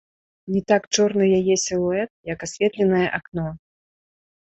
Не так чорны яе сілуэт, як асветленае акно.